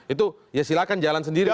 itu ya silakan jalan sendiri